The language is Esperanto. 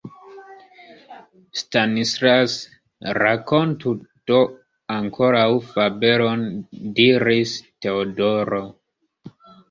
Stanislas, rakontu do ankoraŭ fabelon! diris Teodoro.